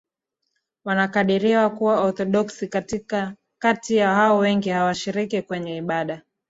wanakadiriwa kuwa Waorthodoksi kati ya hao wengi hawashiriki kwenye ibada